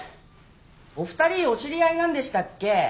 お二人お知り合いなんでしたっけ？